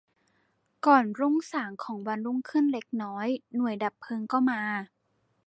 ก่อนรุ่งสางของวันรุ่งขึ้นเล็กน้อย หน่วยดับเพลิงก็มา